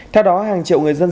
theo đó hàng triệu người dân